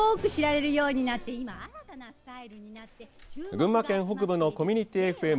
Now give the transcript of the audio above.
群馬県北部のコミュニティＦＭ。